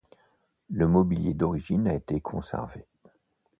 Le mobilier d’origine a été conservé.